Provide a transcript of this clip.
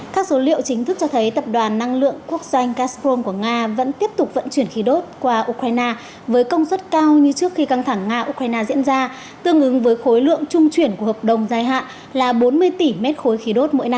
các số liệu chính thức cho thấy tập đoàn năng lượng quốc doanh castrom của nga vẫn tiếp tục vận chuyển khí đốt qua ukraine với công suất cao như trước khi căng thẳng nga ukraine diễn ra tương ứng với khối lượng trung chuyển của hợp đồng dài hạn là bốn mươi tỷ mét khối khí đốt mỗi năm